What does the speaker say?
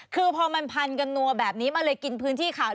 คือพอมันพันกันนัวแบบนี้มันเลยกินพื้นที่ข่าว